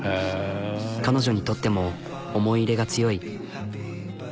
彼女にとっても思い入れが強い。